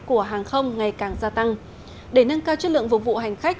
của hàng không ngày càng gia tăng để nâng cao chất lượng phục vụ hành khách